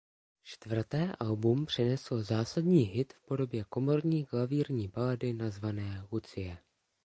Čtvrté album přineslo zásadní hit v podobě komorní klavírní balady nazvané "Lucie".